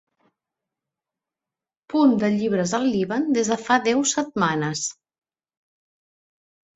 punt de llibres al Líban des de fa deu setmanes